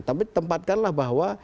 tapi tempatkanlah bahwa